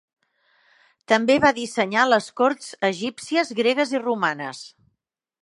També va dissenyar les corts egípcies, gregues i romanes.